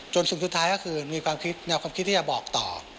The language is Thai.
จนสุดท้ายก็คือมีแนวความคิดที่จะบอกต่อ